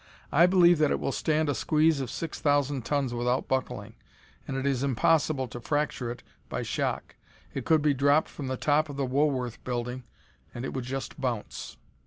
I believe that it will stand a squeeze of six thousand tons without buckling, and it is impossible to fracture it by shock. It could be dropped from the top of the Woolworth Building, and it would just bounce."